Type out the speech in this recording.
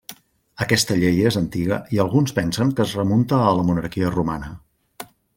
Aquesta llei és antiga i alguns pensen que es remunta a la monarquia romana.